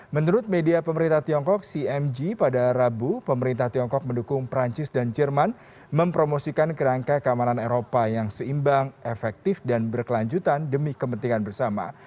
menurut media pemerintah tiongkok cmg pada rabu pemerintah tiongkok mendukung perancis dan jerman mempromosikan kerangka keamanan eropa yang seimbang efektif dan berkelanjutan demi kepentingan bersama